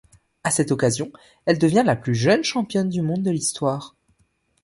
À cette occasion, elle devient la plus jeune championne du monde de l'histoire.